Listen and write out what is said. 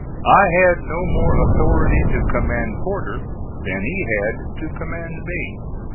I had no more authority to command Porter than he had to command me.